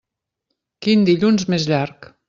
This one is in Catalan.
Quin dilluns més llarg!